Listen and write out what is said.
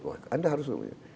wah anda harus